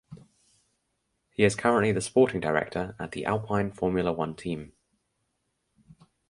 He is currently the sporting director at the Alpine Formula One team.